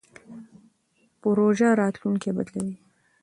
پروژه راتلونکی بدلوي.